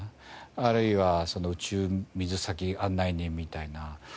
あるいは宇宙水先案内人みたいな。